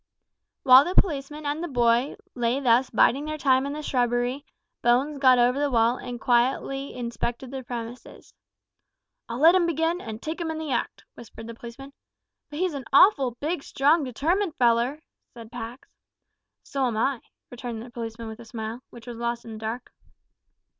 While the policeman and the boy lay thus biding their time in the shrubbery, Bones got over the wall and quietly inspected the premises. "I'll let him begin, and take him in the act," whispered the policeman. "But he's an awful big, strong, determined feller," said Pax. "So am I," returned the policeman, with a smile, which was lost in the dark.